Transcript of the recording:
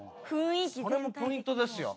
これもポイントですよ。